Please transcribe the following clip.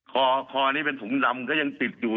คอนี้เป็นถุงดำก็ยังติดอยู่